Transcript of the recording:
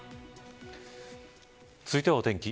続いて、お天気